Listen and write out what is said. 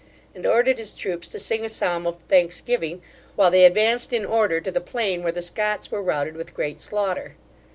and ordered his troops to sing a psalm of thanksgiving, while they advanced in order to the plain, where the Scots were routed with great slaughter.